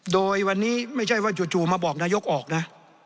โดยวันนี้ไม่ใช่ว่าจู่มาบอกนายกออกนะ